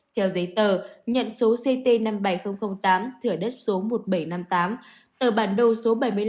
theo giấy tờ nhận số ct năm mươi bảy nghìn tám thửa đất số một nghìn bảy trăm năm mươi tám tờ bản đồ số bảy mươi năm